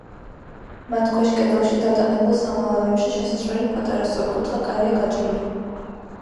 მათ ქვეშ კედელში დატანებულ სამალავებში შესასვლელი პატარა სწორკუთხა კარია გაჭრილი.